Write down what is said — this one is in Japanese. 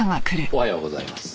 おはようございます。